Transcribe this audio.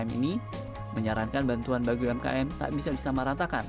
umkm ini menyarankan bantuan bagi umkm tak bisa disamaratakan